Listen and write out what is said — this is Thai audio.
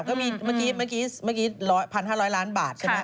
ก็มีเมื่อกี้๑๕๐๐ล้านบาทใช่มั้ย